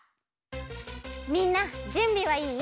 みんなじゅんびはいい？